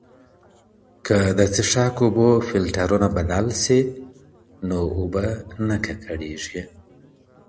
که د څښاک اوبو فلټرونه بدل سي، نو اوبه نه ککړیږي.